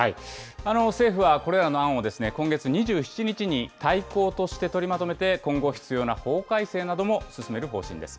政府はこれらの案を今月２７日に、大綱として取りまとめて、今後、必要な法改正なども進める方針です。